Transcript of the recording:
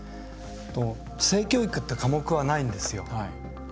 性教育って科目はないんですよ。